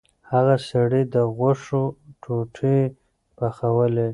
هغه سړي د غوښو ټوټې پخولې.